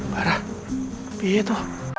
bara biar itu